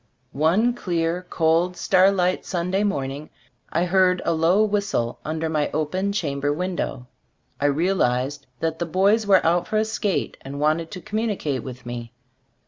One clear, cold, starlight Sunday morning, I heard a low whistle under my open chamber window. I real ized that the boys were out for a skate and wanted to communicate with me.